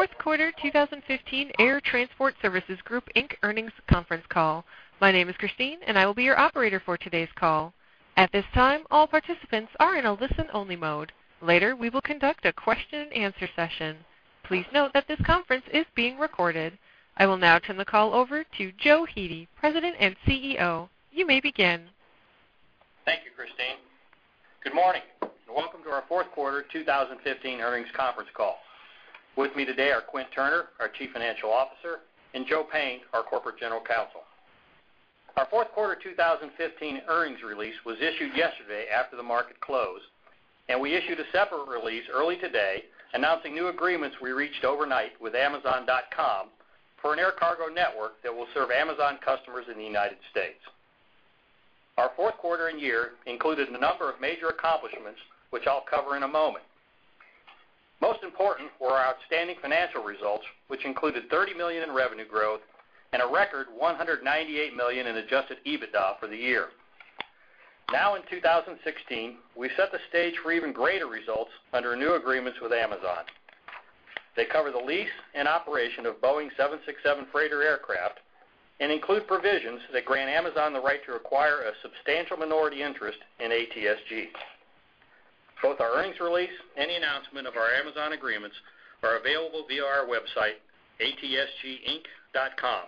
Welcome to the fourth quarter 2015 Air Transport Services Group Inc. earnings conference call. My name is Christine, and I will be your operator for today's call. At this time, all participants are in a listen-only mode. Later, we will conduct a question and answer session. Please note that this conference is being recorded. I will now turn the call over to Joe Hete, President and CEO. You may begin. Thank you, Christine. Good morning, and welcome to our fourth quarter 2015 earnings conference call. With me today are Quint Turner, our Chief Financial Officer, and Joe Payne, our Corporate General Counsel. Our fourth quarter 2015 earnings release was issued yesterday after the market closed, we issued a separate release early today announcing new agreements we reached overnight with Amazon.com for an air cargo network that will serve Amazon customers in the U.S. Our fourth quarter and year included a number of major accomplishments, which I'll cover in a moment. Most important were our outstanding financial results, which included $30 million in revenue growth and a record $198 million in adjusted EBITDA for the year. In 2016, we've set the stage for even greater results under new agreements with Amazon. They cover the lease and operation of Boeing 767 freighter aircraft and include provisions that grant Amazon the right to acquire a substantial minority interest in ATSG. Both our earnings release and the announcement of our Amazon agreements are available via our website, atsginc.com.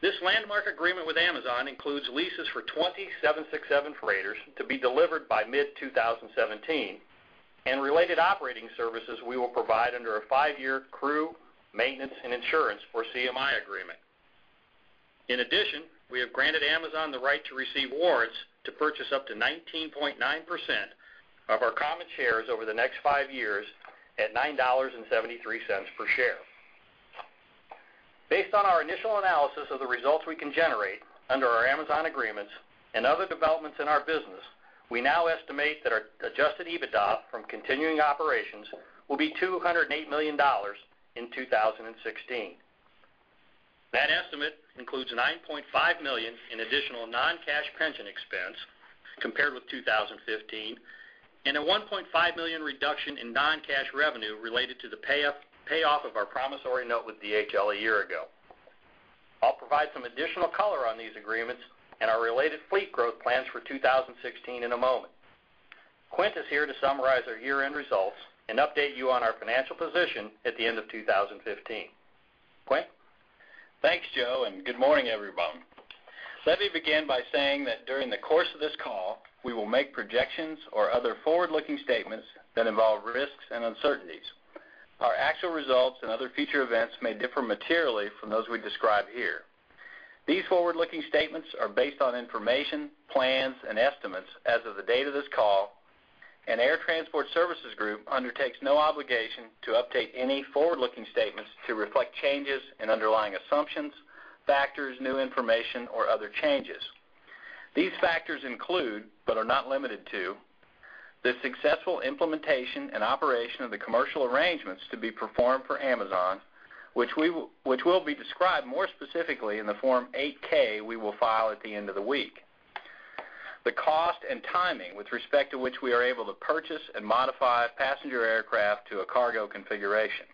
This landmark agreement with Amazon includes leases for 20 767 freighters to be delivered by mid-2017 and related operating services we will provide under a five-year crew, maintenance, and insurance for CMI agreement. In addition, we have granted Amazon the right to receive warrants to purchase up to 19.9% of our common shares over the next five years at $9.73 per share. Based on our initial analysis of the results we can generate under our Amazon agreements and other developments in our business, we now estimate that our adjusted EBITDA from continuing operations will be $208 million in 2016. That estimate includes $9.5 million in additional non-cash pension expense compared with 2015 and a $1.5 million reduction in non-cash revenue related to the payoff of our promissory note with DHL a year ago. I'll provide some additional color on these agreements and our related fleet growth plans for 2016 in a moment. Quint is here to summarize our year-end results and update you on our financial position at the end of 2015. Quint? Thanks, Joe, good morning, everyone. Let me begin by saying that during the course of this call, we will make projections or other forward-looking statements that involve risks and uncertainties. Our actual results and other future events may differ materially from those we describe here. These forward-looking statements are based on information, plans, and estimates as of the date of this call, and Air Transport Services Group undertakes no obligation to update any forward-looking statements to reflect changes in underlying assumptions, factors, new information, or other changes. These factors include, but are not limited to, the successful implementation and operation of the commercial arrangements to be performed for Amazon, which will be described more specifically in the Form 8-K we will file at the end of the week, the cost and timing with respect to which we are able to purchase and modify a passenger aircraft to a cargo configuration,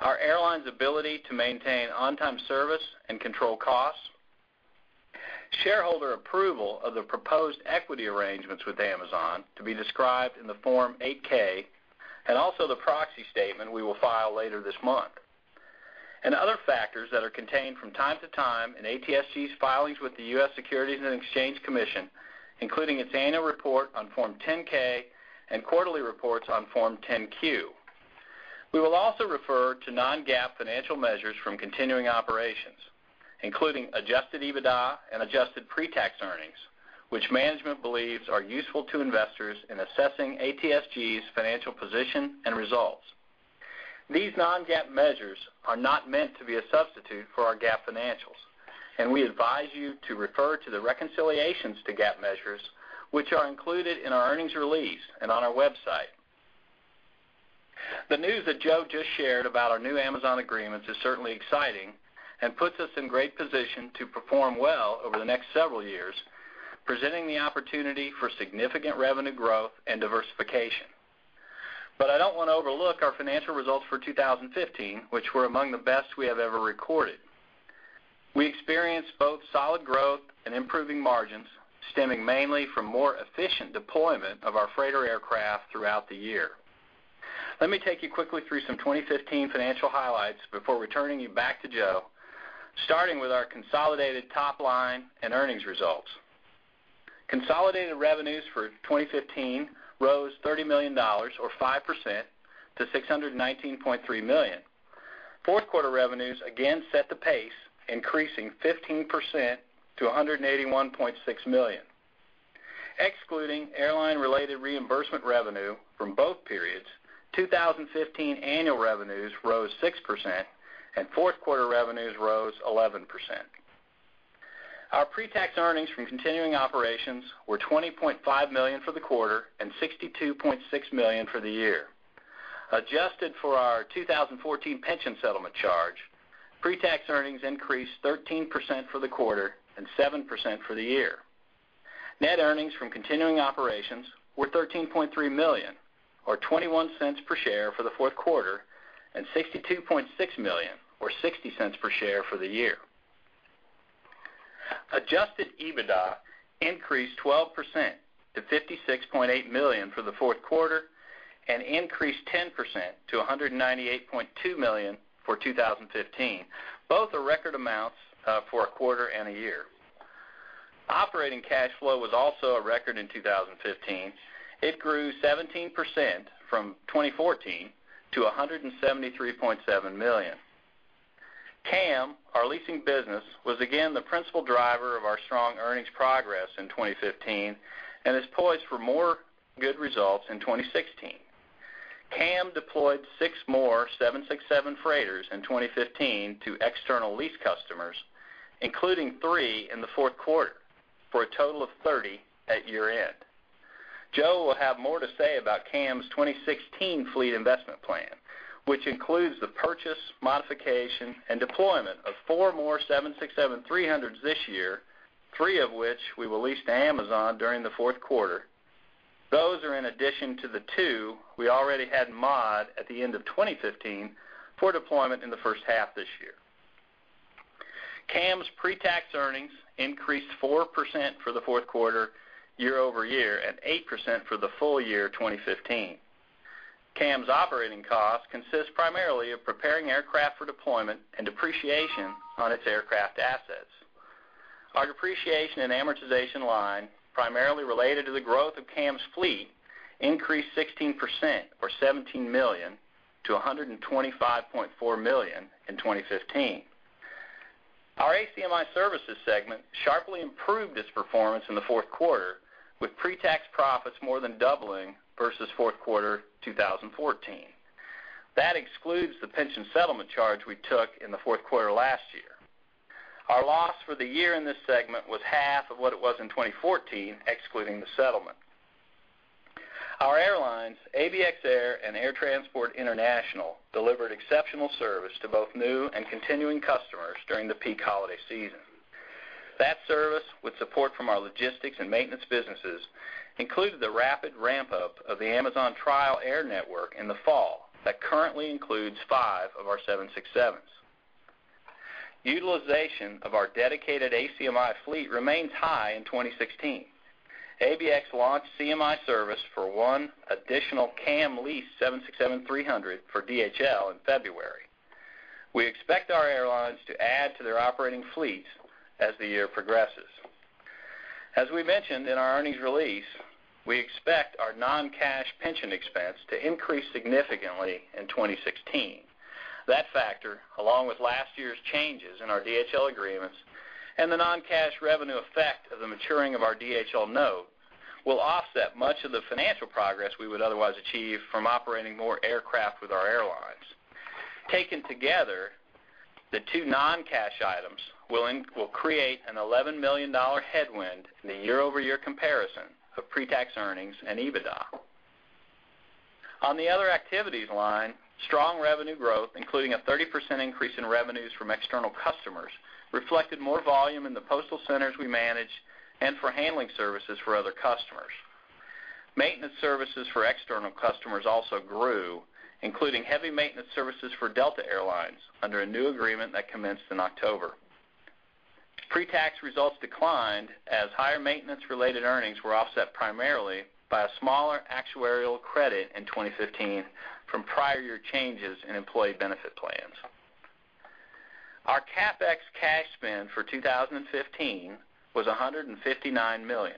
our airline's ability to maintain on-time service and control costs, shareholder approval of the proposed equity arrangements with Amazon to be described in the Form 8-K and also the proxy statement we will file later this month, and other factors that are contained from time to time in ATSG's filings with the U.S. Securities and Exchange Commission, including its annual report on Form 10-K and quarterly reports on Form 10-Q. We will also refer to non-GAAP financial measures from continuing operations, including adjusted EBITDA and adjusted pre-tax earnings, which management believes are useful to investors in assessing ATSG's financial position and results. These non-GAAP measures are not meant to be a substitute for our GAAP financials, and we advise you to refer to the reconciliations to GAAP measures, which are included in our earnings release and on our website. The news that Joe just shared about our new Amazon agreements is certainly exciting and puts us in great position to perform well over the next several years, presenting the opportunity for significant revenue growth and diversification. I don't want to overlook our financial results for 2015, which were among the best we have ever recorded. We experienced both solid growth and improving margins, stemming mainly from more efficient deployment of our freighter aircraft throughout the year. Let me take you quickly through some 2015 financial highlights before returning you back to Joe, starting with our consolidated top-line and earnings results. Consolidated revenues for 2015 rose $30 million, or 5%, to $619.3 million. Fourth quarter revenues again set the pace, increasing 15% to $181.6 million. Excluding airline-related reimbursement revenue from both periods, 2015 annual revenues rose 6%, and fourth quarter revenues rose 11%. Our pre-tax earnings from continuing operations were $20.5 million for the quarter and $62.6 million for the year. Adjusted for our 2014 pension settlement charge, pre-tax earnings increased 13% for the quarter and 7% for the year. Net earnings from continuing operations were $13.3 million, or $0.21 per share for the fourth quarter, and $62.6 million or $0.60 per share for the year. Adjusted EBITDA increased 12% to $56.8 million for the fourth quarter and increased 10% to $198.2 million for 2015, both are record amounts for a quarter and a year. Operating cash flow was also a record in 2015. It grew 17% from 2014 to $173.7 million. CAM, our leasing business, was again the principal driver of our strong earnings progress in 2015 and is poised for more good results in 2016. CAM deployed six more Boeing 767 freighters in 2015 to external lease customers, including three in the fourth quarter for a total of 30 at year-end. Joe Hete will have more to say about CAM's 2016 fleet investment plan, which includes the purchase, modification, and deployment of four more Boeing 767-300s this year, three of which we will lease to Amazon during the fourth quarter. Those are in addition to the two we already had mod at the end of 2015 for deployment in the first half of this year. CAM's pre-tax earnings increased 4% for the fourth quarter year-over-year, and 8% for the full year 2015. CAM's operating cost consists primarily of preparing aircraft for deployment and depreciation on its aircraft assets. Our depreciation and amortization line, primarily related to the growth of CAM's fleet, increased 16% or $17 million to $125.4 million in 2015. Our ACMI Services segment sharply improved its performance in the fourth quarter, with pre-tax profits more than doubling versus fourth quarter 2014. That excludes the pension settlement charge we took in the fourth quarter last year. Our loss for the year in this segment was half of what it was in 2014, excluding the settlement. Our airlines, ABX Air and Air Transport International, delivered exceptional service to both new and continuing customers during the peak holiday season. That service, with support from our logistics and maintenance businesses, included the rapid ramp-up of the Amazon trial air network in the fall that currently includes five of our Boeing 767s. Utilization of our dedicated ACMI fleet remains high in 2016. ABX launched CMI service for one additional CAM leased Boeing 767-300 for DHL in February. We expect our airlines to add to their operating fleets as the year progresses. As we mentioned in our earnings release, we expect our non-cash pension expense to increase significantly in 2016. That factor, along with last year's changes in our DHL agreements and the non-cash revenue effect of the maturing of our DHL note, will offset much of the financial progress we would otherwise achieve from operating more aircraft with our airlines. Taken together, the two non-cash items will create an $11 million headwind in the year-over-year comparison of pre-tax earnings and EBITDA. On the other activities line, strong revenue growth, including a 30% increase in revenues from external customers, reflected more volume in the postal centers we manage and for handling services for other customers. Maintenance services for external customers also grew, including heavy maintenance services for Delta Air Lines under a new agreement that commenced in October. Pre-tax results declined as higher maintenance-related earnings were offset primarily by a smaller actuarial credit in 2015 from prior year changes in employee benefit plans. Our CapEx cash spend for 2015 was $159 million,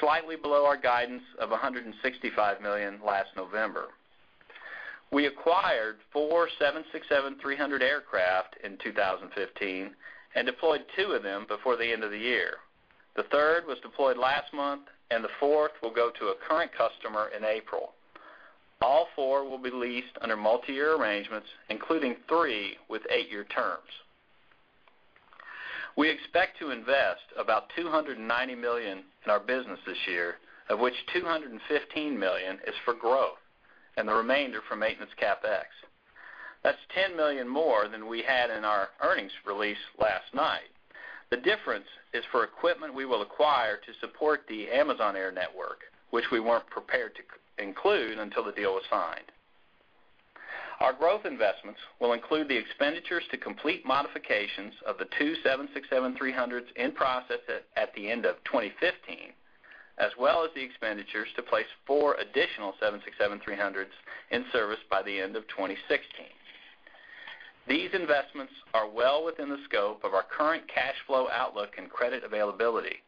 slightly below our guidance of $165 million last November. We acquired four Boeing 767-300 aircraft in 2015 and deployed two of them before the end of the year. The third was deployed last month. The fourth will go to a current customer in April. All four will be leased under multi-year arrangements, including three with eight-year terms. We expect to invest about $290 million in our business this year, of which $215 million is for growth and the remainder for maintenance CapEx. That's $10 million more than we had in our earnings release last night. The difference is for equipment we will acquire to support the Amazon Air network, which we weren't prepared to include until the deal was signed. Our growth investments will include the expenditures to complete modifications of the two Boeing 767-300s in process at the end of 2015, as well as the expenditures to place four additional Boeing 767-300s in service by the end of 2016. These investments are well within the scope of our current cash flow outlook and credit availability.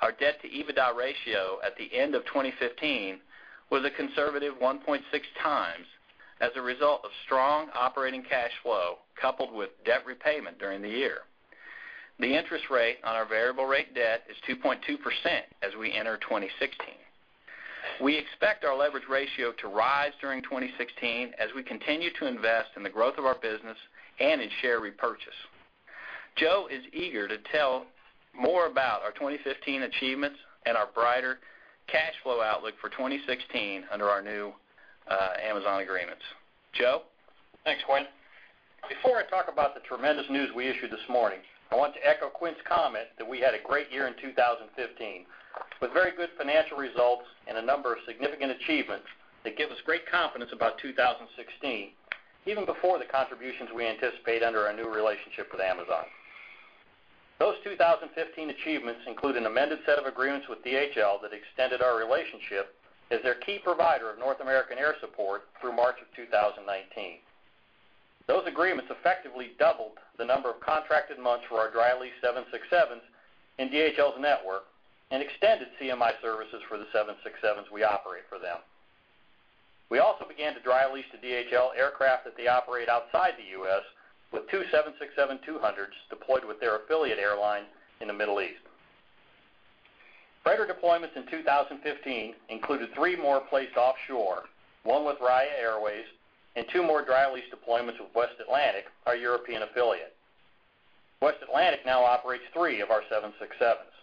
Our debt to EBITDA ratio at the end of 2015 was a conservative 1.6 times as a result of strong operating cash flow coupled with debt repayment during the year. The interest rate on our variable rate debt is 2.2% as we enter 2016. We expect our leverage ratio to rise during 2016 as we continue to invest in the growth of our business and in share repurchase. Joe is eager to tell more about our 2015 achievements and our brighter cash flow outlook for 2016 under our new Amazon agreements. Joe? Thanks, Quint. Before I talk about the tremendous news we issued this morning, I want to echo Quint's comment that we had a great year in 2015, with very good financial results and a number of significant achievements that give us great confidence about 2016, even before the contributions we anticipate under our new relationship with Amazon. Those 2015 achievements include an amended set of agreements with DHL that extended our relationship as their key provider of North American air support through March of 2019. Those agreements effectively doubled the number of contracted months for our dry lease Boeing 767s in DHL's network and extended CMI Services for the Boeing 767s we operate for them. We also began to dry lease to DHL aircraft that they operate outside the U.S. with two Boeing 767-200s deployed with their affiliate airline in the Middle East. Freighter deployments in 2015 included three more placed offshore, one with Raya Airways and two more dry lease deployments with West Atlantic, our European affiliate. West Atlantic now operates three of our 767s.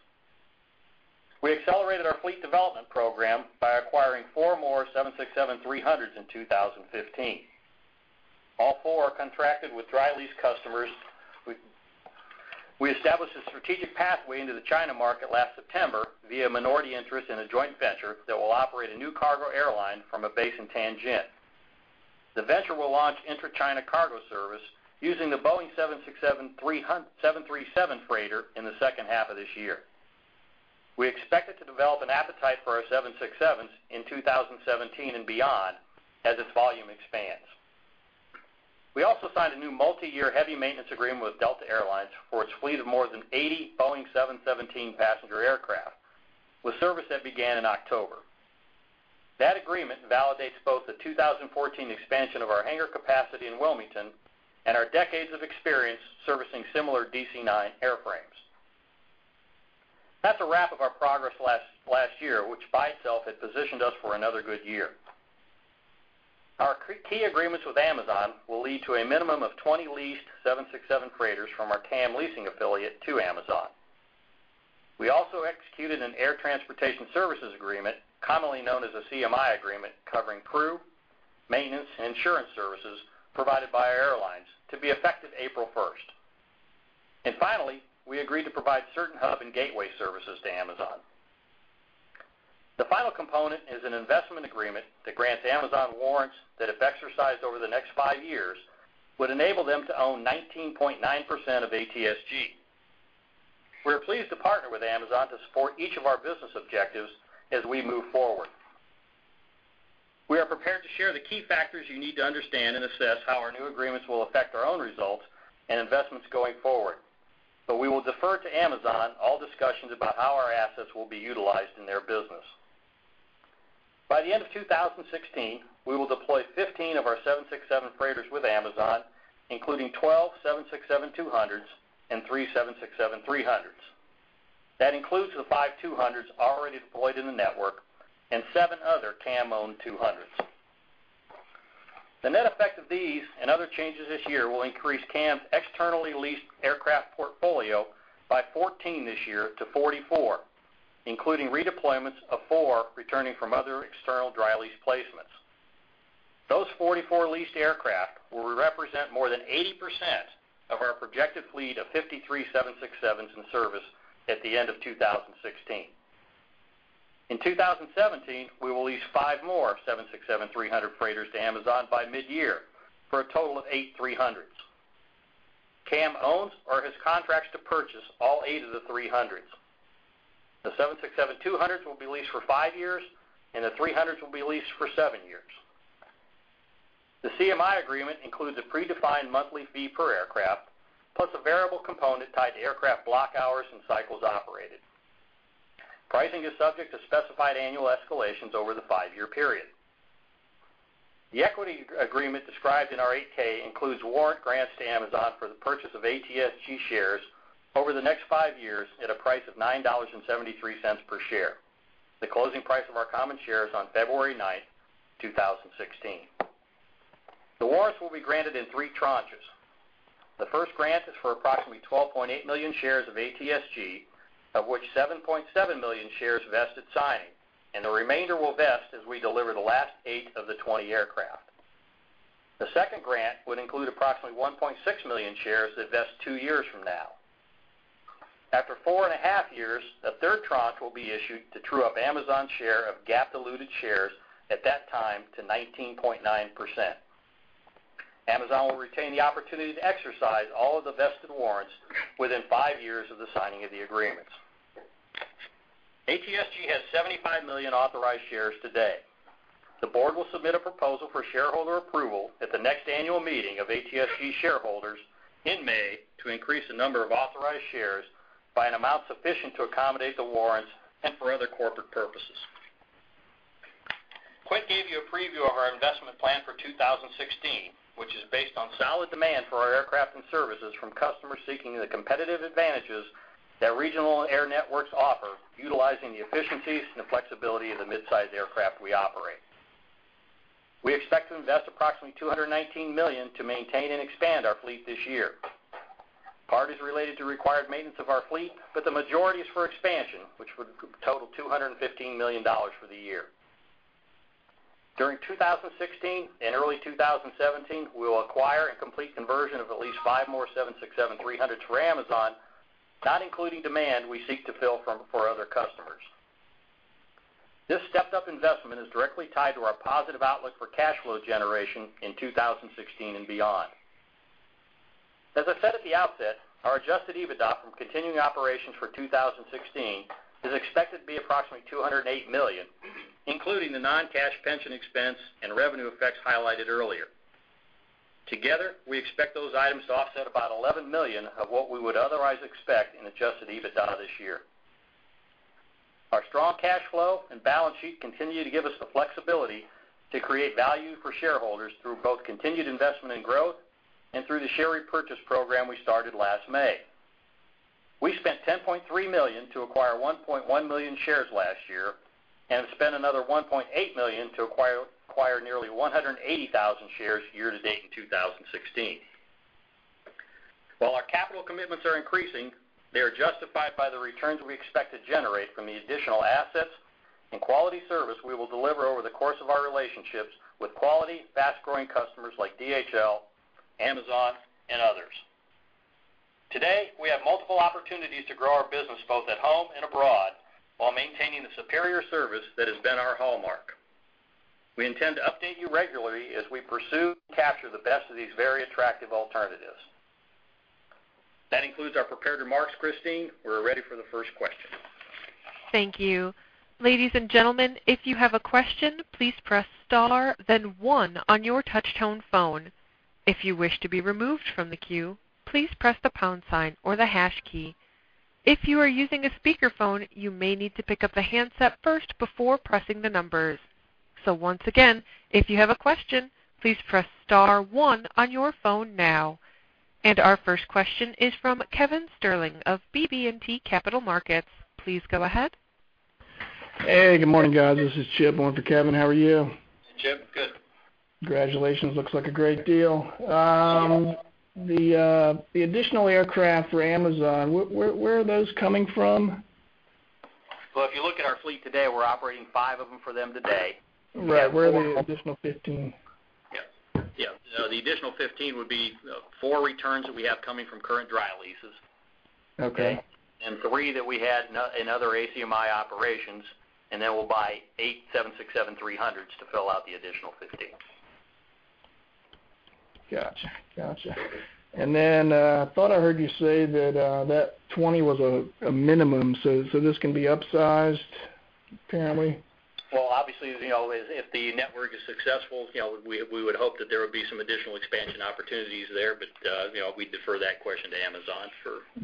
We accelerated our fleet development program by acquiring four more 767-300s in 2015. All four are contracted with dry lease customers. We established a strategic pathway into the China market last September via minority interest in a joint venture that will operate a new cargo airline from a base in Tianjin. The venture will launch intra-China cargo service using the Boeing 737 freighter in the second half of this year. We expect it to develop an appetite for our 767s in 2017 and beyond as its volume expands. We also signed a new multi-year heavy maintenance agreement with Delta Air Lines for its fleet of more than 80 Boeing 717 passenger aircraft, with service that began in October. That agreement validates both the 2014 expansion of our hangar capacity in Wilmington and our decades of experience servicing similar DC-9 airframes. That's a wrap of our progress last year, which by itself had positioned us for another good year. Our key agreements with Amazon will lead to a minimum of 20 leased 767 freighters from our CAM leasing affiliate to Amazon. We also executed an air transportation services agreement, commonly known as a CMI agreement, covering crew, maintenance, and insurance services provided by our airlines to be effective April 1st. Finally, we agreed to provide certain hub and gateway services to Amazon. The final component is an investment agreement that grants Amazon warrants that, if exercised over the next five years, would enable them to own 19.9% of ATSG. We are pleased to partner with Amazon to support each of our business objectives as we move forward. We are prepared to share the key factors you need to understand and assess how our new agreements will affect our own results and investments going forward. We will defer to Amazon all discussions about how our assets will be utilized in their business. By the end of 2016, we will deploy 15 of our 767 freighters with Amazon, including 12 767-200s and three 767-300s. That includes the five 200s already deployed in the network and seven other CAM-owned 200s. The net effect of these and other changes this year will increase CAM's externally leased aircraft portfolio by 14 this year to 44, including redeployments of four returning from other external dry lease placements. Those 44 leased aircraft will represent more than 80% of our projected fleet of 53 767s in service at the end of 2016. In 2017, we will lease five more 767-300 freighters to Amazon by mid-year for a total of eight 300s. CAM owns or has contracts to purchase all eight of the 300s. The 767-200s will be leased for five years, and the 300s will be leased for seven years. The CMI agreement includes a predefined monthly fee per aircraft, plus a variable component tied to aircraft block hours and cycles operated. Pricing is subject to specified annual escalations over the five-year period. The equity agreement described in our 8-K includes warrant grants to Amazon for the purchase of ATSG shares over the next five years at a price of $9.73 per share, the closing price of our common shares on February 9th, 2016. The warrants will be granted in three tranches. The first grant is for approximately $12.8 million shares of ATSG, of which $7.7 million shares vest at signing, and the remainder will vest as we deliver the last eight of the 20 aircraft. The second grant would include approximately $1.6 million shares that vest two years from now. After four and a half years, a third tranche will be issued to true up Amazon's share of GAAP diluted shares at that time to 19.9%. Amazon will retain the opportunity to exercise all of the vested warrants within five years of the signing of the agreements. ATSG has $75 million authorized shares today. The board will submit a proposal for shareholder approval at the next annual meeting of ATSG shareholders in May to increase the number of authorized shares by an amount sufficient to accommodate the warrants and for other corporate purposes. Quint gave you a preview of our investment plan for 2016, which is based on solid demand for our aircraft and services from customers seeking the competitive advantages that regional air networks offer, utilizing the efficiencies and the flexibility of the midsize aircraft we operate. We expect to invest approximately $290 million to maintain and expand our fleet this year. Part is related to required maintenance of our fleet, but the majority is for expansion, which would total $215 million for the year. During 2016 and early 2017, we will acquire a complete conversion of at least five more Boeing 767-300s for Amazon, not including demand we seek to fill for other customers. This stepped-up investment is directly tied to our positive outlook for cash flow generation in 2016 and beyond. As I said at the outset, our adjusted EBITDA from continuing operations for 2016 is expected to be approximately $208 million, including the non-cash pension expense and revenue effects highlighted earlier. Together, we expect those items to offset about $11 million of what we would otherwise expect in adjusted EBITDA this year. Our strong cash flow and balance sheet continue to give us the flexibility to create value for shareholders through both continued investment in growth and through the share repurchase program we started last May. We spent $10.3 million to acquire $1.1 million shares last year, and have spent another $1.8 million to acquire nearly 180,000 shares year to date in 2016. While our capital commitments are increasing, they are justified by the returns we expect to generate from the additional assets and quality service we will deliver over the course of our relationships with quality, fast-growing customers like DHL, Amazon, and others. Today, we have multiple opportunities to grow our business both at home and abroad, while maintaining the superior service that has been our hallmark. We intend to update you regularly as we pursue and capture the best of these very attractive alternatives. That includes our prepared remarks. Christine, we're ready for the first question. Thank you. Ladies and gentlemen, if you have a question, please press star then one on your touch tone phone. If you wish to be removed from the queue, please press the pound sign or the hash key. If you are using a speakerphone, you may need to pick up the handset first before pressing the numbers. Once again, if you have a question, please press star one on your phone now. Our first question is from Kevin Sterling of BB&T Capital Markets. Please go ahead. Hey, good morning, guys. This is Chip, morning for Kevin. How are you? Hey, Chip. Good. Congratulations. Looks like a great deal. Thank you. The additional aircraft for Amazon, where are those coming from? Well, if you look at our fleet today, we're operating five of them for them today. Right. Where are the additional 15? Yeah. The additional 15 would be four returns that we have coming from current dry leases. Okay. Three that we had in other ACMI operations, and then we'll buy eight 767-300s to fill out the additional 15. Got you. I thought I heard you say that that 20 was a minimum, so this can be upsized, apparently? Well, obviously, if the network is successful, we would hope that there would be some additional expansion opportunities there. We defer that question to Amazon.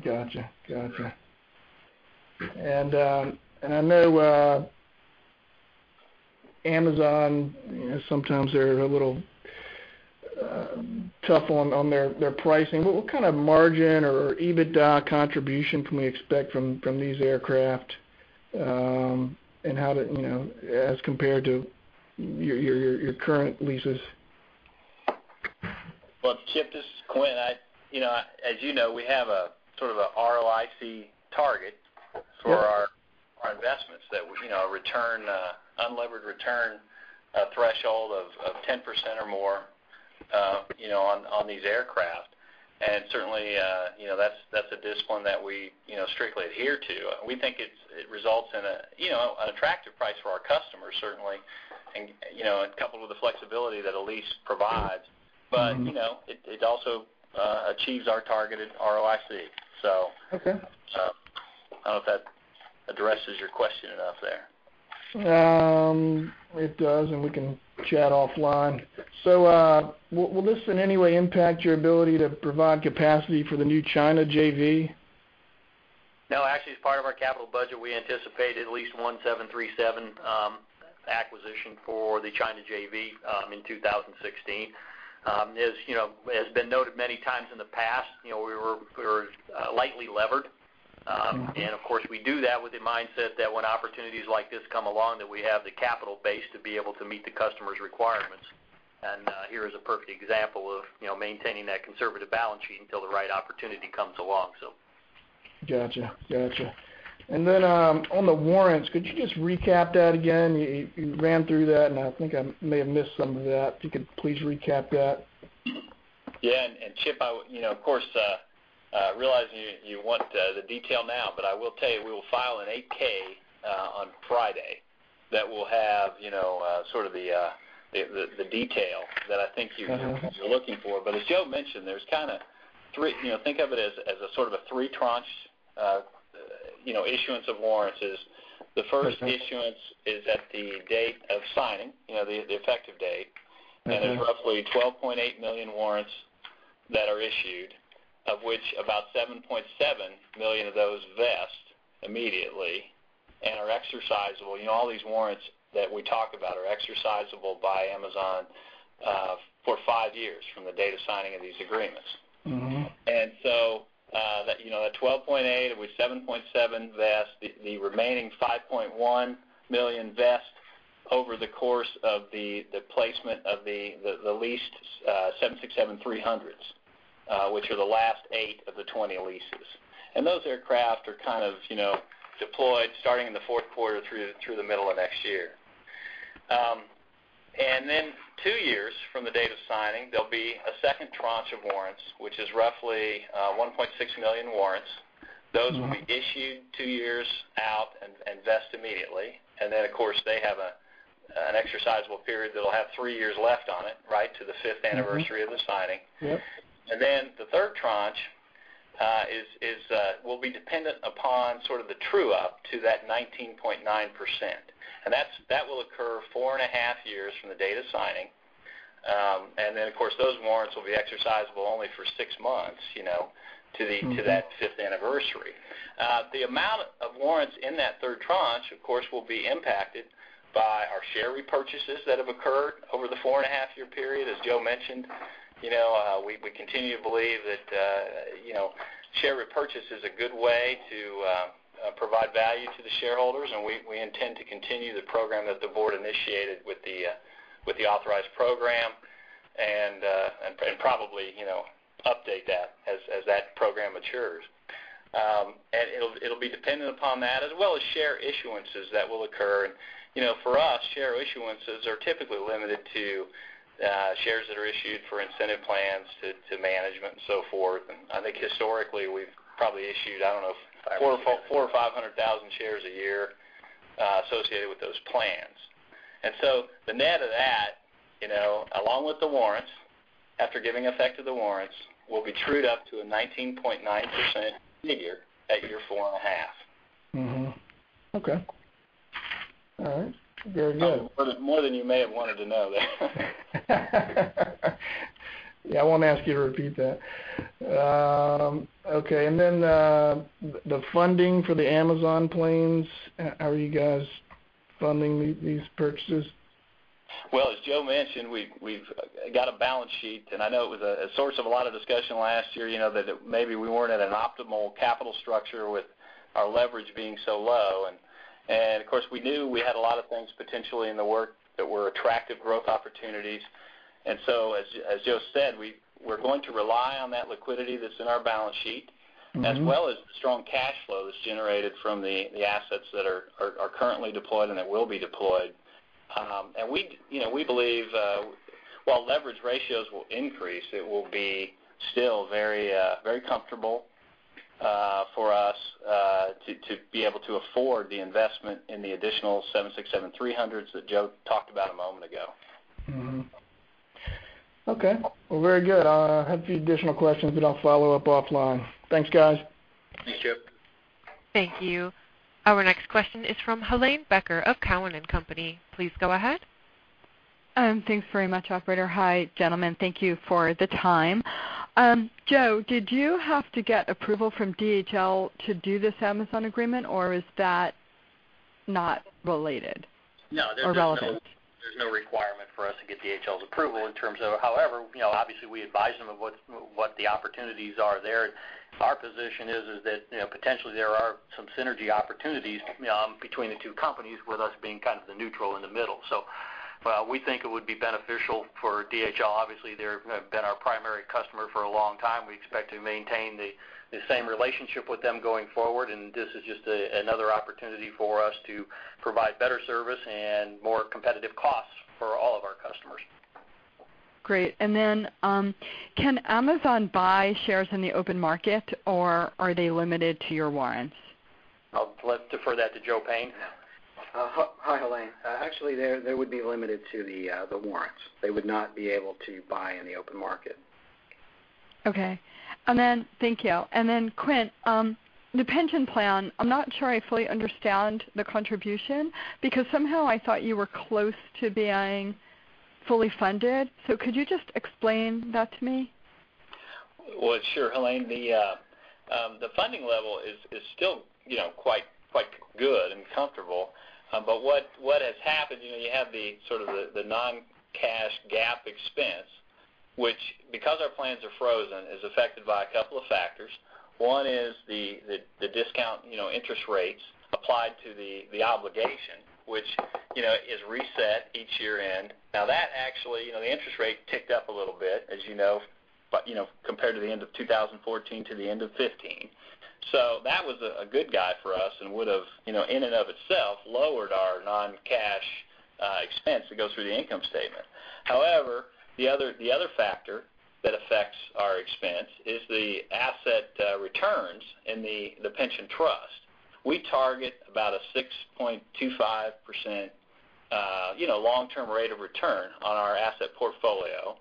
Got you. I know Amazon, sometimes they're a little tough on their pricing. What kind of margin or EBITDA contribution can we expect from these aircraft, and how did as compared to your current leases? Well, Chip, this is Quint. As you know, we have a sort of ROIC target for our investments that return, unlevered return, threshold of 10% or more on these aircraft. Certainly, that's a discipline that we strictly adhere to. We think it results in an attractive price for our customers, certainly, and coupled with the flexibility that a lease provides. It also achieves our targeted ROIC. Okay. I don't know if that addresses your question enough there. It does, and we can chat offline. Will this in any way impact your ability to provide capacity for the new China JV? Actually, as part of our capital budget, we anticipate at least one 737 acquisition for the China JV in 2016. As has been noted many times in the past, we were lightly levered. Of course, we do that with the mindset that when opportunities like this come along, that we have the capital base to be able to meet the customer's requirements. Here is a perfect example of maintaining that conservative balance sheet until the right opportunity comes along. Got you. Then, on the warrants, could you just recap that again? You ran through that, and I think I may have missed some of that. If you could please recap that. Yeah. Chip, of course, I realize you want the detail now, I will tell you, we will file an 8-K on Friday that will have sort of the detail that I think you're looking for. As Joe mentioned, there's kind of three tranche issuance of warrants. The first issuance is at the date of signing, the effective date. There's roughly 12.8 million warrants that are issued, of which about 7.7 million of those vest immediately and are exercisable. All these warrants that we talk about are exercisable by Amazon for five years from the date of signing of these agreements. That 12.8, with 7.7 vest, the remaining 5.1 million vest over the course of the placement of the leased Boeing 767-300s Which are the last eight of the 20 leases. Those aircraft are kind of deployed starting in the fourth quarter through the middle of next year. Two years from the date of signing, there'll be a second tranche of warrants, which is roughly 1.6 million warrants. Those will be issued two years out and vest immediately. Of course, they have an exercisable period that'll have three years left on it, right? of the signing. Yep. The third tranche will be dependent upon sort of the true up to that 19.9%. That will occur four and a half years from the date of signing. Of course, those warrants will be exercisable only for six months, to that fifth anniversary. The amount of warrants in that third tranche, of course, will be impacted by our share repurchases that have occurred over the four-and-a-half-year period, as Joe mentioned. We continue to believe that share repurchase is a good way to provide value to the shareholders, and we intend to continue the program that the board initiated with the authorized program, and probably update that as that program matures. It'll be dependent upon that as well as share issuances that will occur. For us, share issuances are typically limited to shares that are issued for incentive plans to management and so forth. I think historically, we've probably issued, I don't know, 4- Five or six four or 500,000 shares a year associated with those plans. The net of that, along with the warrants, after giving effect to the warrants, will be trued up to a 19.9% figure at year four and a half. Okay. All right. Very good. More than you may have wanted to know there. Yeah, I won't ask you to repeat that. Okay. The funding for the Amazon planes, how are you guys funding these purchases? Well, as Joe mentioned, we've got a balance sheet. I know it was a source of a lot of discussion last year, that maybe we weren't at an optimal capital structure with our leverage being so low. Of course, we knew we had a lot of things potentially in the work that were attractive growth opportunities. As Joe said, we're going to rely on that liquidity that's in our balance sheet. As well as the strong cash flow that's generated from the assets that are currently deployed and that will be deployed. We believe while leverage ratios will increase, it will be still very comfortable for us to be able to afford the investment in the additional 767-300s that Joe talked about a moment ago. Okay. Well, very good. I have a few additional questions, but I'll follow up offline. Thanks, guys. Thank you. Thank you. Our next question is from Helane Becker of Cowen and Company. Please go ahead. Thanks very much, operator. Hi, gentlemen. Thank you for the time. Joe, did you have to get approval from DHL to do this Amazon agreement, or is that not related or relevant? No, there's no requirement for us to get DHL's approval. However, obviously we advise them of what the opportunities are there. Our position is that potentially there are some synergy opportunities between the two companies, with us being kind of the neutral in the middle. We think it would be beneficial for DHL. Obviously, they have been our primary customer for a long time. We expect to maintain the same relationship with them going forward. This is just another opportunity for us to provide better service and more competitive costs for all of our customers. Great. Then, can Amazon buy shares in the open market, or are they limited to your warrants? I'll defer that to Joe Payne. Hi, Helane. Actually, they would be limited to the warrants. They would not be able to buy in the open market. Okay. Thank you. Quint, the pension plan, I'm not sure I fully understand the contribution because somehow I thought you were close to being fully funded. Could you just explain that to me? Well, sure, Helane. The funding level is still quite good and comfortable. What has happened, you have the sort of the non-cash GAAP expense, which, because our plans are frozen, is affected by a couple of factors. One is the discount interest rates applied to the obligation, which is reset each year-end. That actually, the interest rate ticked up a little bit, as you know, compared to the end of 2014 to the end of 2015. That was a good guy for us and would've, in and of itself, lowered our non-cash expense that goes through the income statement. However, the other factor that affects our expense is the asset returns in the pension trust. We target about a 6.25% long-term rate of return on our asset portfolio.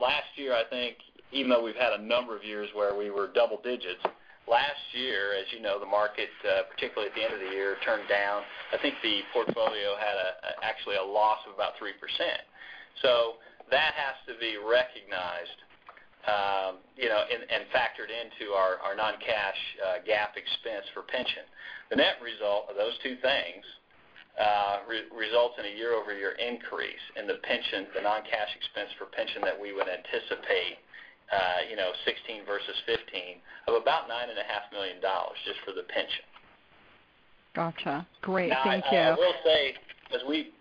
Last year, I think, even though we've had a number of years where we were double digits, last year, as you know, the market, particularly at the end of the year, turned down. I think the portfolio had actually a loss of about 3%. That has to be recognized and factored into our non-cash GAAP expense for pension. The net result of those two things results in a year-over-year increase in the pension, the non-cash expense for pension that we would anticipate, 2016 versus 2015, of about $9.5 million just for the pension. Got you. Great. Thank you. I will say, as we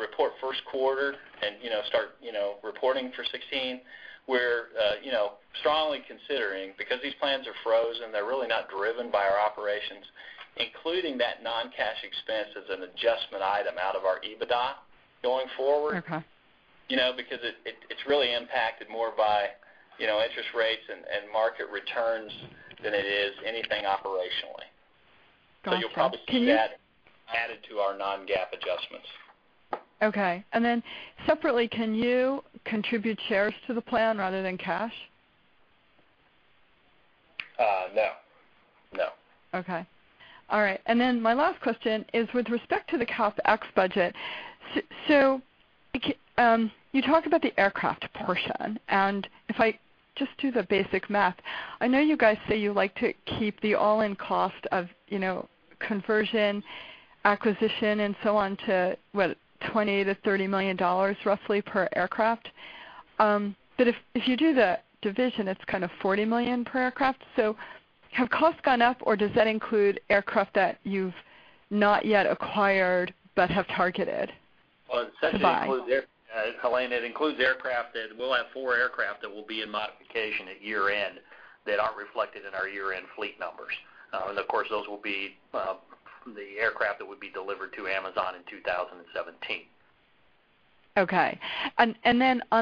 report first quarter and start reporting for 2016, we're strongly considering, because these plans are frozen, they're really not driven by our operations, including that non-cash expense as an adjustment item out of our EBITDA going forward. Okay. It's really impacted more by interest rates and market returns than it is anything operationally. Got you. You'll probably see that added to our non-GAAP adjustments. Okay. Then separately, can you contribute shares to the plan rather than cash? No. Okay. All right. Then my last question is with respect to the CapEx budget. You talk about the aircraft portion, and if I just do the basic math, I know you guys say you like to keep the all-in cost of conversion, acquisition, and so on to, what? $20 million-$30 million roughly per aircraft. But if you do the division, it's kind of $40 million per aircraft. Have costs gone up, or does that include aircraft that you've not yet acquired but have targeted to buy? Helane, it includes aircraft that we'll have four aircraft that will be in modification at year-end that aren't reflected in our year-end fleet numbers. Of course, those will be the aircraft that would be delivered to Amazon in 2017. Okay. On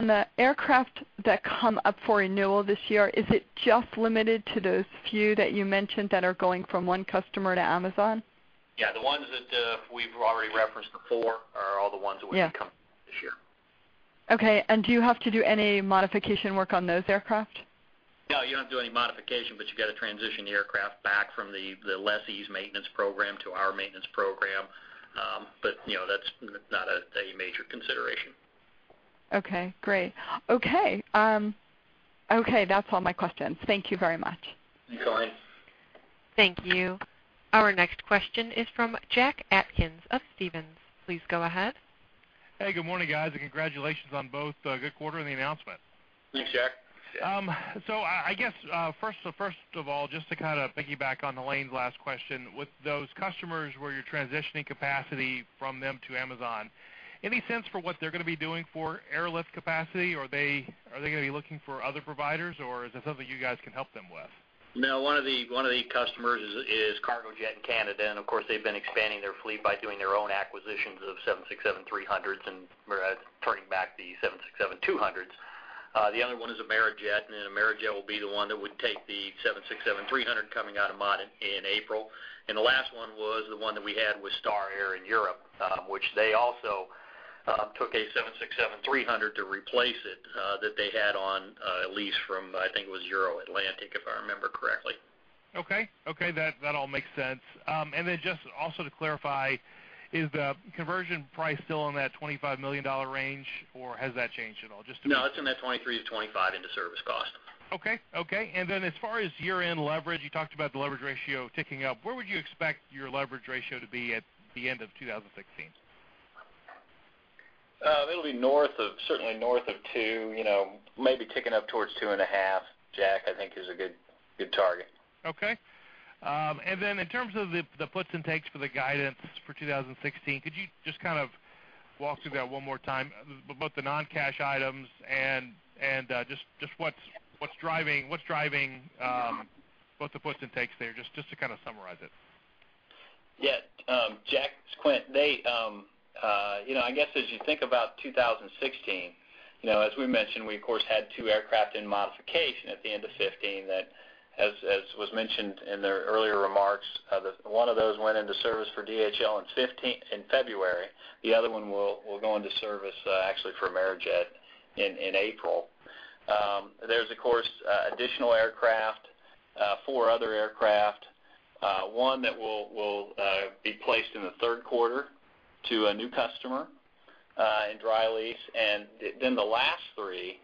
the aircraft that come up for renewal this year, is it just limited to those few that you mentioned that are going from one customer to Amazon? Yeah, the ones that we've already referenced before are all the ones that Yeah will be coming this year. Okay. Do you have to do any modification work on those aircraft? No, you don't do any modification, you got to transition the aircraft back from the lessee's maintenance program to our maintenance program. That's not a major consideration. Okay, great. Okay. That's all my questions. Thank you very much. You're welcome. Thank you. Our next question is from Jack Atkins of Stephens. Please go ahead. Hey, good morning, guys, and congratulations on both a good quarter and the announcement. Thanks, Jack. I guess, first of all, just to kind of piggyback on Helane's last question, with those customers where you're transitioning capacity from them to Amazon, any sense for what they're going to be doing for airlift capacity? Are they going to be looking for other providers, or is that something you guys can help them with? No, one of the customers is Cargojet in Canada. Of course, they've been expanding their fleet by doing their own acquisitions of Boeing 767-300s and turning back the Boeing 767-200s. The other one is Amerijet. Amerijet will be the one that would take the Boeing 767-300 coming out of mod in April. The last one was the one that we had with Star Air in Europe, which they also took a Boeing 767-300 to replace it, that they had on a lease from, I think it was EuroAtlantic Airways, if I remember correctly. Okay. That all makes sense. Just also to clarify, is the conversion price still in that $25 million range, or has that changed at all? No, it's in that $23 million-$25 million into service cost. Okay. As far as year-end leverage, you talked about the leverage ratio ticking up. Where would you expect your leverage ratio to be at the end of 2016? It'll be certainly north of two, maybe ticking up towards two and a half, Jack, I think is a good target. Okay. In terms of the puts and takes for the guidance for 2016, could you just kind of walk through that one more time, both the non-cash items and just what's driving both the puts and takes there, just to kind of summarize it? Yeah. Jack, it's Quint. I guess as you think about 2016, as we mentioned, we, of course, had two aircraft in modification at the end of 2015 that as was mentioned in the earlier remarks, one of those went into service for DHL in February. The other one will go into service actually for Amerijet in April. There's, of course, additional aircraft, four other aircraft, one that will be placed in the third quarter to a new customer, in dry lease. The last three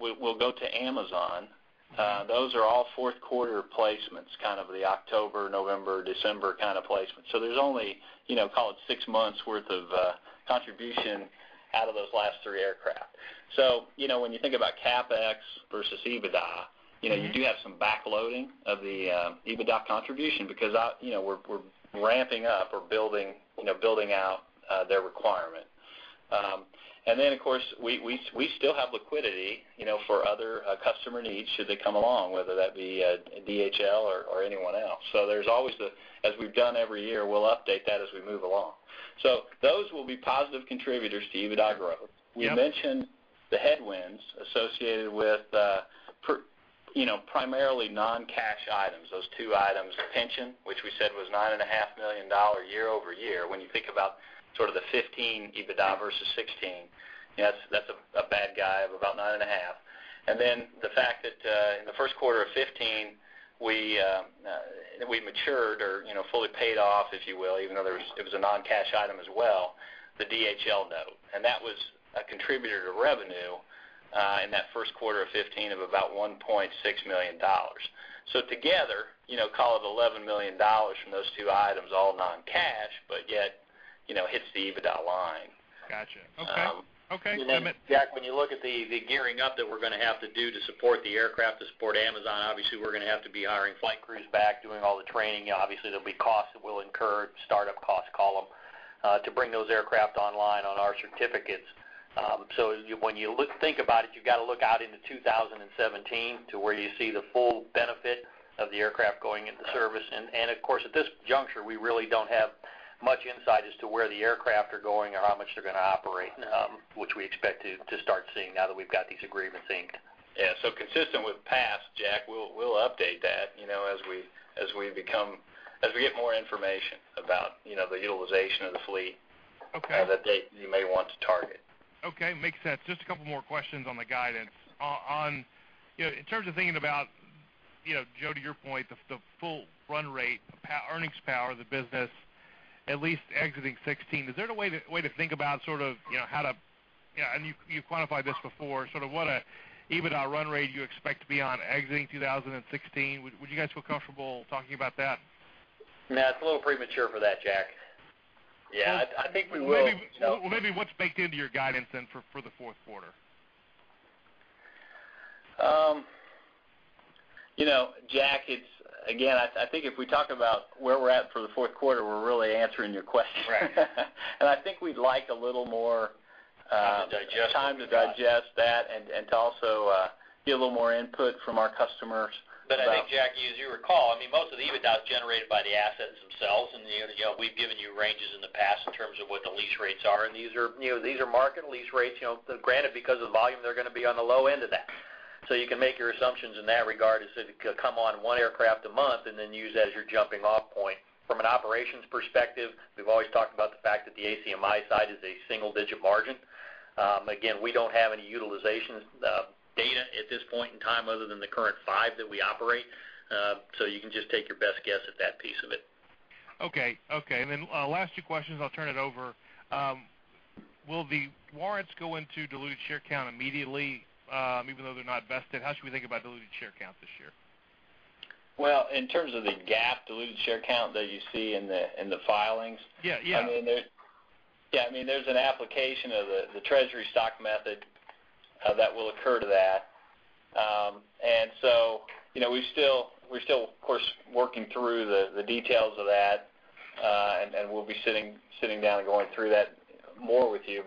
will go to Amazon. Those are all fourth-quarter placements, kind of the October, November, December kind of placements. There's only, call it six months worth of contribution out of those last three aircraft. When you think about CapEx versus EBITDA, you do have some back-loading of the EBITDA contribution because we're ramping up. We're building out their requirement. Of course, we still have liquidity for other customer needs should they come along, whether that be DHL or anyone else. There's always the, as we've done every year, we'll update that as we move along. Those will be positive contributors to EBITDA growth. Yep. We mentioned the headwinds associated with primarily non-cash items. Those two items, pension, which we said was $9.5 million year-over-year. When you think about sort of the 2015 EBITDA versus 2016, that's a bad guy of about $9.5 million. The fact that in the first quarter of 2015, we matured or fully paid off, if you will, even though it was a non-cash item as well, the DHL note, and that was a contributor to revenue in that first quarter of 2015 of about $1.6 million. Together, call it $11 million from those two items, all non-cash, but yet hits the EBITDA line. Got you. Jack, when you look at the gearing up that we're going to have to do to support the aircraft, to support Amazon, obviously, we're going to have to be hiring flight crews back, doing all the training. Obviously, there'll be costs that we'll incur, startup costs, to bring those aircraft online on our certificates. When you think about it, you've got to look out into 2017 to where you see the full benefit of the aircraft going into service. Of course, at this juncture, we really don't have much insight as to where the aircraft are going or how much they're going to operate, which we expect to start seeing now that we've got these agreements inked. Yeah. Consistent with past, Jack, we'll update that as we get more information about the utilization of the fleet. Okay the date you may want to target. Okay. Makes sense. Just a couple more questions on the guidance. In terms of thinking about, Joe, to your point, the full run rate, earnings power of the business, at least exiting 2016, is there a way to think about how to you quantified this before, sort of what a EBITDA run rate you expect to be on exiting 2016? Would you guys feel comfortable talking about that? No, it's a little premature for that, Jack. Yeah. I think we will. Well, maybe what's baked into your guidance then for the fourth quarter? Jack, again, I think if we talk about where we're at for the fourth quarter, we're really answering your question. Right. I think we'd like a little more time to digest that and to also get a little more input from our customers. I think, Jack, as you recall, most of the EBITDA is generated by the assets themselves, and we've given you ranges in the past in terms of what the lease rates are, and these are market lease rates. Granted, because of volume, they're going to be on the low end of that. You can make your assumptions in that regard as if it could come on one aircraft a month and then use that as your jumping off point. From an operations perspective, we've always talked about the fact that the ACMI side is a single-digit margin. Again, we don't have any utilization data at this point in time other than the current five that we operate. You can just take your best guess at that piece of it. Okay. Then last two questions, I'll turn it over. Will the warrants go into diluted share count immediately even though they're not vested? How should we think about diluted share count this year? Well, in terms of the GAAP diluted share count that you see in the filings. Yeah There's an application of the treasury stock method that will occur to that. We're still, of course, working through the details of that, and we'll be sitting down and going through that more with you.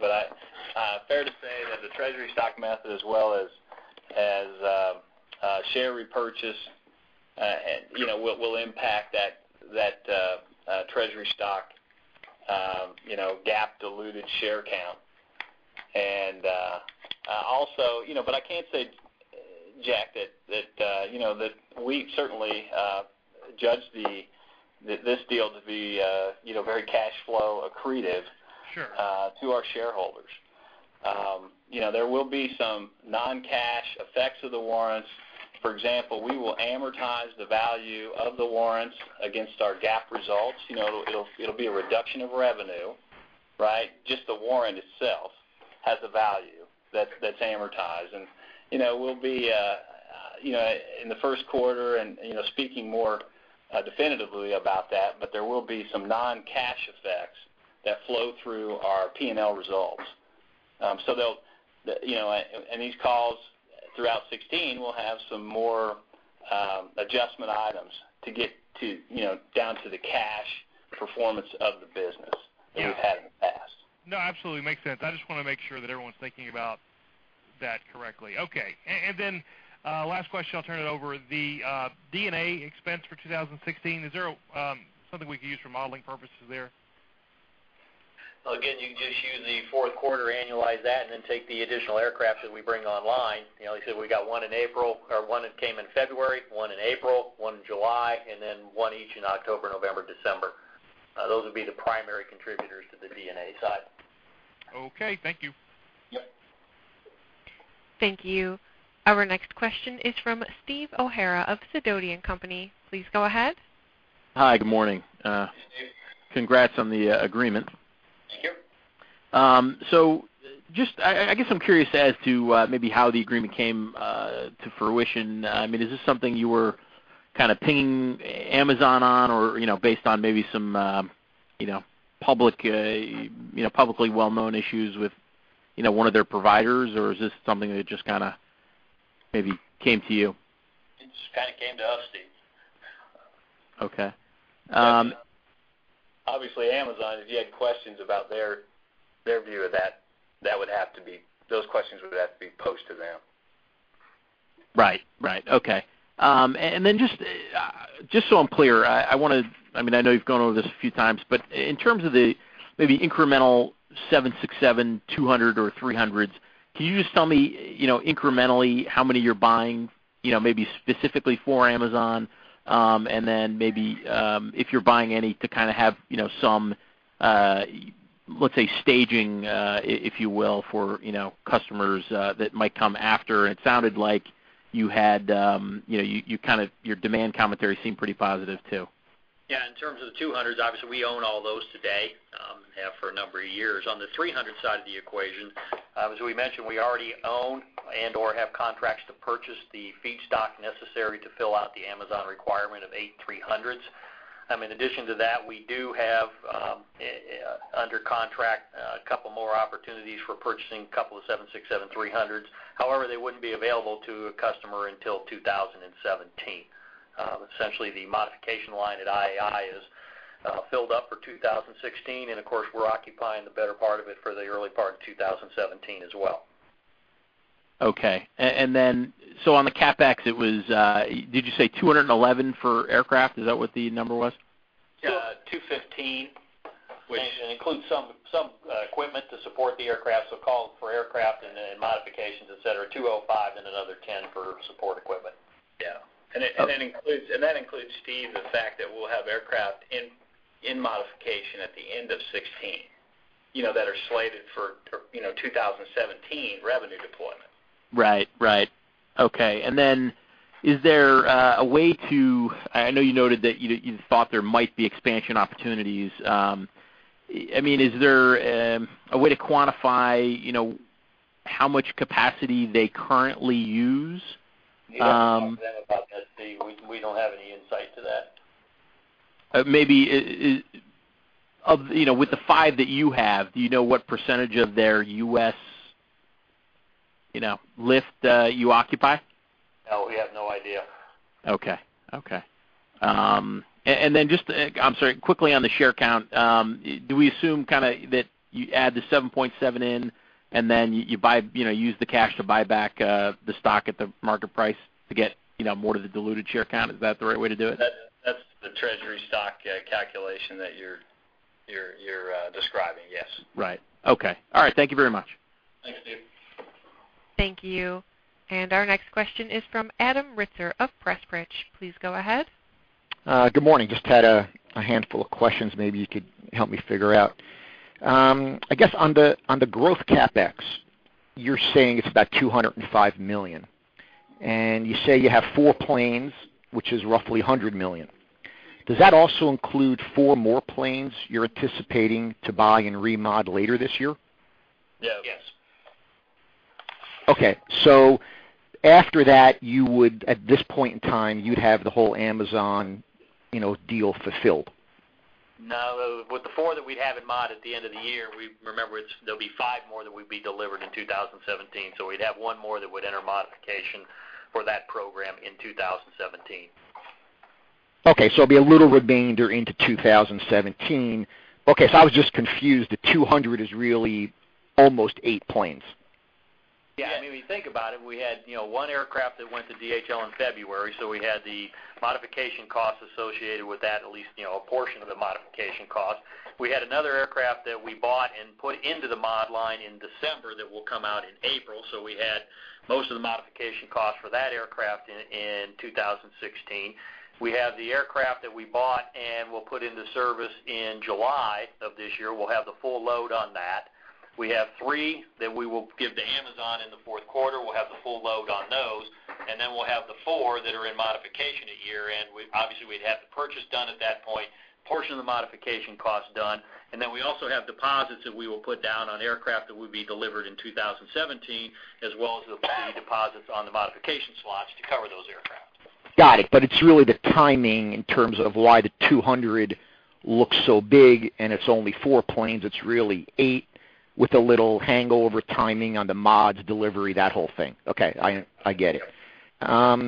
Fair to say that the treasury stock method as well as share repurchase will impact that treasury stock GAAP diluted share count. I can say, Jack, that we certainly judge this deal to be very cash flow accretive- Sure to our shareholders. There will be some non-cash effects of the warrants. For example, we will amortize the value of the warrants against our GAAP results. It'll be a reduction of revenue. Just the warrant itself has a value that's amortized. We'll be, in the first quarter, speaking more definitively about that, but there will be some non-cash effects that flow through our P&L results. These calls throughout 2016 will have some more adjustment items to get down to the cash performance of the business than we've had in the past. No, absolutely. Makes sense. I just want to make sure that everyone's thinking about that correctly. Last question, I'll turn it over. The D&A expense for 2016, is there something we can use for modeling purposes there? Again, you can just use the fourth quarter, annualize that, take the additional aircraft that we bring online. Like I said, we got one in April, or one that came in February, one in April, one in July, one each in October, November, December. Those would be the primary contributors to the D&A side. Okay. Thank you. Yep. Thank you. Our next question is from Steve O'Hara of Sidoti & Company. Please go ahead. Hi. Good morning. Hey, Steve. Congrats on the agreement. Thank you. I guess I'm curious as to maybe how the agreement came to fruition. Is this something you were kind of pinging Amazon on, or based on maybe some publicly well-known issues with one of their providers, or is this something that just kind of maybe came to you? It just kind of came to us, Steve. Okay. Amazon, if you had questions about their view of that, those questions would have to be posed to them. Right. Okay. Just so I'm clear, I know you've gone over this a few times, but in terms of the maybe incremental Boeing 767-200 or -300s, can you just tell me incrementally how many you're buying, maybe specifically for Amazon, and then maybe if you're buying any to kind of have some, let's say, staging, if you will, for customers that might come after? It sounded like your demand commentary seemed pretty positive, too. Yeah. In terms of the 200s, obviously, we own all those today, have for a number of years. On the 300 side of the equation, as we mentioned, we already own and/or have contracts to purchase the feedstock necessary to fill out the Amazon requirement of eight 300s. In addition to that, we do have under contract a couple more opportunities for purchasing a couple of Boeing 767-300s. However, they wouldn't be available to a customer until 2017. Essentially, the modification line at IAI is filled up for 2016, and of course, we're occupying the better part of it for the early part of 2017 as well. Okay. On the CapEx, did you say $211 for aircraft? Is that what the number was? Yeah. $215, which includes some equipment to support the aircraft, so call it for aircraft and then modifications, et cetera, $205 and another $10 for support equipment. Yeah. That includes, Steve, the fact that we'll have aircraft in modification at the end of 2016 that are slated for 2017 revenue deployment. Right. Okay. I know you noted that you thought there might be expansion opportunities. Is there a way to quantify how much capacity they currently use? You'd have to talk to them about that, Steve. We don't have any insight to that. Maybe with the five that you have, do you know what % of their U.S. lift you occupy? No, we have no idea. Okay. Then just, I'm sorry, quickly on the share count. Do we assume that you add the 7.7 in then you use the cash to buy back the stock at the market price to get more to the diluted share count? Is that the right way to do it? That's the treasury stock calculation that you're describing. Yes. Right. Okay. All right. Thank you very much. Thanks, Steve. Thank you. Our next question is from Adam Ritzer of Pressprich. Please go ahead. Good morning. Just had a handful of questions maybe you could help me figure out. I guess, on the growth CapEx, you're saying it's about $205 million, and you say you have four planes, which is roughly $100 million. Does that also include four more planes you're anticipating to buy and remod later this year? Yes. Yes. Okay. After that, at this point in time, you'd have the whole Amazon deal fulfilled. No. With the four that we'd have in mod at the end of the year, remember, there'll be five more that would be delivered in 2017. We'd have one more that would enter modification for that program in 2017. Okay. It'll be a little remainder into 2017. Okay. I was just confused. The 200 is really almost eight planes. Yeah. I mean, when you think about it, we had one aircraft that went to DHL in February, so we had the modification costs associated with that, at least, a portion of the modification cost. We had another aircraft that we bought and put into the mod line in December that will come out in April. We had most of the modification cost for that aircraft in 2016. We have the aircraft that we bought and we'll put into service in July of this year. We'll have the full load on that. We have three that we will give to Amazon in the fourth quarter. We'll have the full load on those, and then we'll have the four that are in modification a year. Obviously, we'd have the purchase done at that point, portion of the modification cost done, then we also have deposits that we will put down on aircraft that would be delivered in 2017, as well as the deposits on the modification slots to cover those aircraft. Got it. It's really the timing in terms of why the 200 looks so big, and it's only four planes. It's really eight with a little hangover timing on the mods delivery, that whole thing. Okay. I get it. Let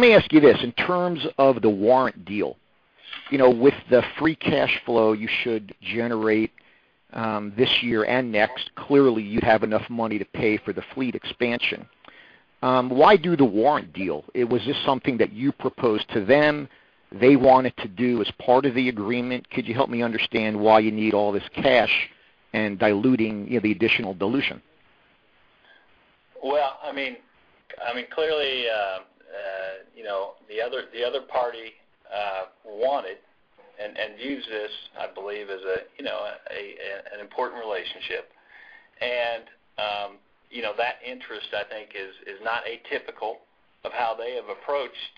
me ask you this. In terms of the warrant deal, with the free cash flow you should generate this year and next, clearly you have enough money to pay for the fleet expansion. Why do the warrant deal? Was this something that you proposed to them, they wanted to do as part of the agreement? Could you help me understand why you need all this cash and the additional dilution? Clearly the other party wanted and views this, I believe, as an important relationship. That interest, I think, is not atypical of how they have approached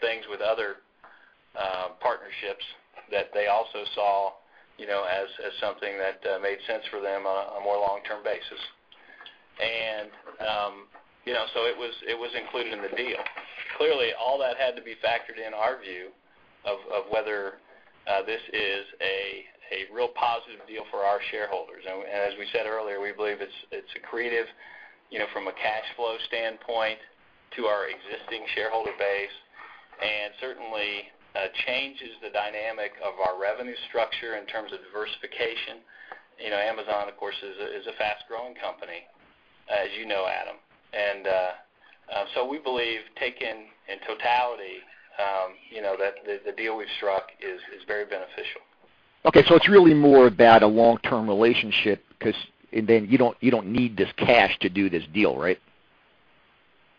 things with other partnerships that they also saw as something that made sense for them on a more long-term basis. It was included in the deal. Clearly, all that had to be factored in our view of whether this is a real positive deal for our shareholders. As we said earlier, we believe it's accretive from a cash flow standpoint to our existing shareholder base, certainly changes the dynamic of our revenue structure in terms of diversification. Amazon, of course, is a fast-growing company, as you know, Adam. We believe taken in totality, that the deal we've struck is very beneficial. It's really more about a long-term relationship, because then you don't need this cash to do this deal, right?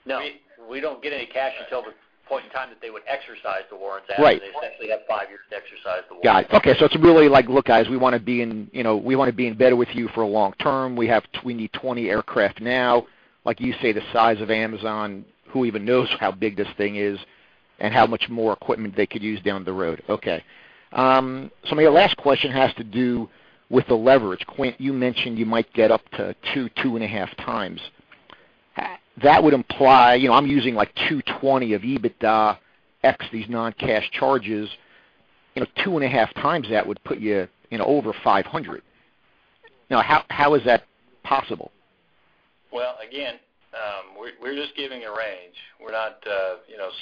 No. We don't get any cash until the point in time that they would exercise the warrants, Adam. Right. They essentially have five years to exercise the warrants. Got it. Okay, it's really like, "Look, guys, we want to be in bed with you for a long term. We need 20 aircraft now." Like you say, the size of Amazon, who even knows how big this thing is and how much more equipment they could use down the road. Okay. My last question has to do with the leverage. Quint, you mentioned you might get up to two and a half times. That would imply, I'm using $220 of EBITDA x these non-cash charges, two and a half times that would put you over $500. Now, how is that possible? Well, again, we're just giving a range. We're not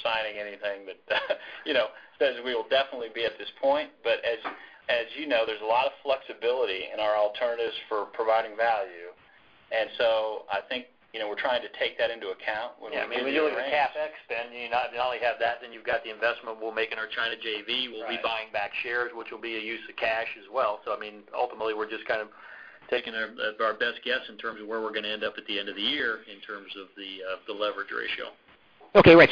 signing anything that says we will definitely be at this point. As you know, there's a lot of flexibility in our alternatives for providing value. I think, we're trying to take that into account when we give you a range. When you're doing the CapEx spend, you not only have that, then you've got the investment we'll make in our China JV. Right. We'll be buying back shares, which will be a use of cash as well. I mean, ultimately, we're just kind of taking our best guess in terms of where we're going to end up at the end of the year in terms of the leverage ratio. Okay, right.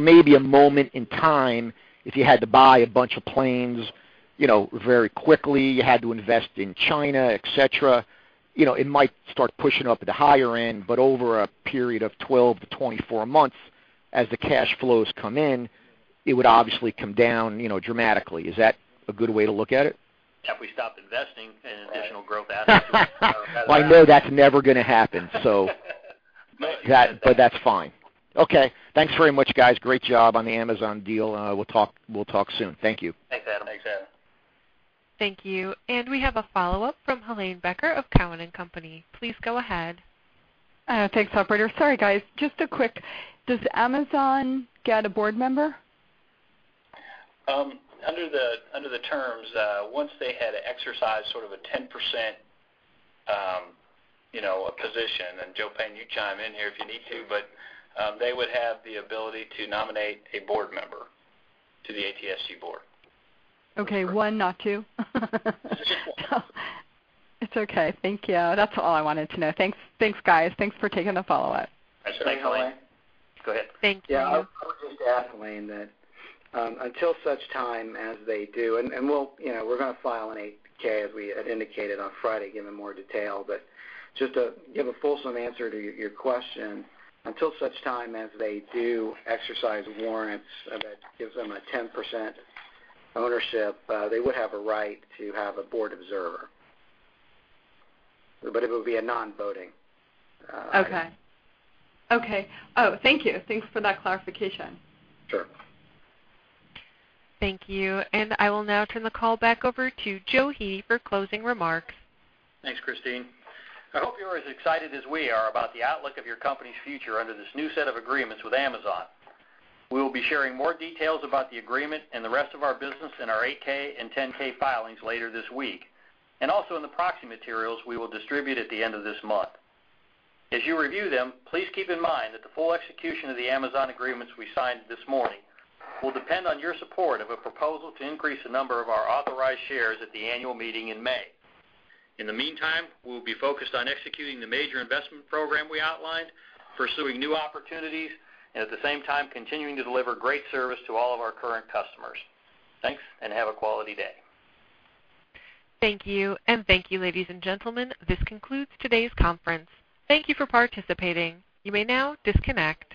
Maybe a moment in time, if you had to buy a bunch of planes very quickly, you had to invest in China, et cetera, it might start pushing up at the higher end, but over a period of 12-24 months, as the cash flows come in, it would obviously come down dramatically. Is that a good way to look at it? If we stopped investing in additional growth assets. Well, I know that's never going to happen, so. No. That's fine. Okay. Thanks very much, guys. Great job on the Amazon deal, and we'll talk soon. Thank you. Thanks, Adam. Thanks, Adam. Thank you. We have a follow-up from Helane Becker of Cowen and Company. Please go ahead. Thanks, operator. Sorry, guys. Just a quick, does Amazon get a board member? Under the terms, once they had exercised sort of a 10% position, and Joe Payne, you chime in here if you need to, but they would have the ability to nominate a board member to the ATSG board. Okay. One, not two? Just one. It's okay. Thank you. That's all I wanted to know. Thanks, guys. Thanks for taking the follow-up. Thanks, Helane. Should I chime in? Go ahead. Thank you. Yeah, I would just add, Helane, that until such time as they do, we're going to file an 8-K as we had indicated on Friday, give it more detail, just to give a fulsome answer to your question, until such time as they do exercise warrants that gives them a 10% ownership, they would have a right to have a board observer. It would be a non-voting. Okay. Thank you. Thanks for that clarification. Sure. Thank you. I will now turn the call back over to Joe Hete for closing remarks. Thanks, Christine. I hope you're as excited as we are about the outlook of your company's future under this new set of agreements with Amazon. We will be sharing more details about the agreement and the rest of our business in our 8-K and 10-K filings later this week, and also in the proxy materials we will distribute at the end of this month. As you review them, please keep in mind that the full execution of the Amazon agreements we signed this morning will depend on your support of a proposal to increase the number of our authorized shares at the annual meeting in May. In the meantime, we will be focused on executing the major investment program we outlined, pursuing new opportunities, and at the same time, continuing to deliver great service to all of our current customers. Thanks, and have a quality day. Thank you, and thank you, ladies and gentlemen. This concludes today's conference. Thank you for participating. You may now disconnect.